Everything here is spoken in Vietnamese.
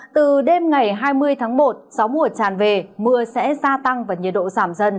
từ đêm ngày hai mươi tháng một sóng mùa tràn về mưa sẽ gia tăng và nhiệt độ giảm dần